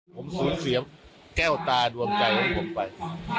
ผมสูญเสียแก้วตาดวงใจของผมไป